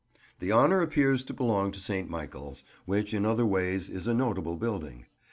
The honour appears to belong to St. Michael's, which in other ways is a notable building.